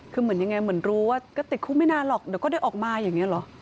คือเหมือนยังไงเหมือนรู้ว่าก็ติดคุกไม่นานหรอกเดี๋ยวก็ได้ออกมาอย่างนี้หรอ